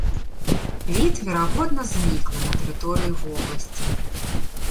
Від, верагодна зніклы на тэрыторыі вобласці.